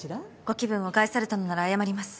ご気分を害されたのなら謝ります。